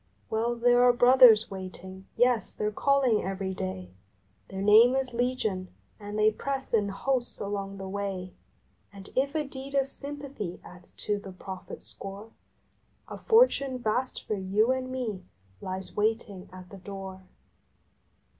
Well, there are Brothers waiting, yes, they re calling every day; Their name is Legion, and they press in hosts along the way. And if a deed of Sympathy adds to the profit score, A fortune vast for you and me lies waiting at the door.